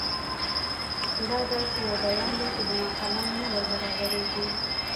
دا داسې یو بیان دی چې زما قلم نه وربرابرېږي.